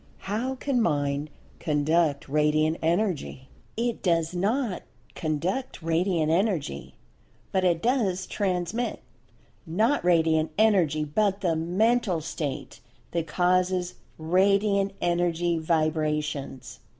How can Mind conduct Radiant Energy? It does not conduct Radiant Energy, but it does transmit—not Radiant Energy—but the Mental State that causes Radiant Energy Vibrations.